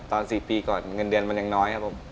๔ปีก่อนเงินเดือนมันยังน้อยครับผม